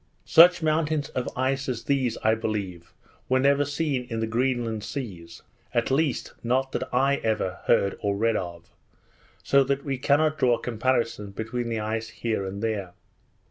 Such mountains of ice as these, I believe, were never seen in the Greenland seas, at least, not that I ever heard or read of, so that we cannot draw a comparison between the ice here and there.